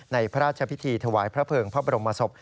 พระราชพิธีถวายพระเภิงพระบรมศพ